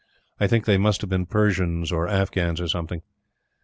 I think they must have been Persians or Afghans or something.